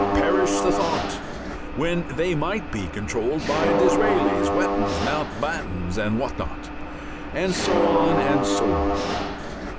Perish the thought! When they might be controlled by Disraelis, Wettins, Mount Battens, and what not! And so on and so on.